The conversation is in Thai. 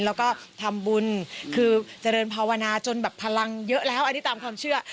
แล้วก็ทำบุญคือเจริญภาวนาจนแบบพลังเยอะแล้วอันนี้ตามความเชื่อ